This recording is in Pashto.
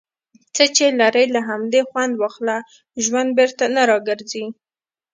څۀ چې لرې، له همدې خؤند واخله. ژؤند بیرته نۀ را ګرځي.